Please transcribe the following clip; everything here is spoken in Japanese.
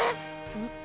うん？